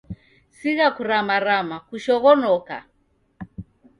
Sigha kuramarama, kushoghonoka